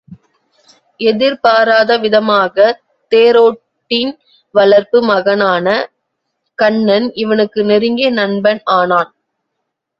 எதிர்பாராத விதமாகத் தேரோட்டியின் வளர்ப்பு மகனான கன்னன் இவனுக்கு நெருங்கிய நண்பன் ஆனான்.